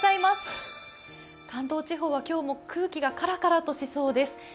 関東地方は今日も空気がカラカラとしそうです。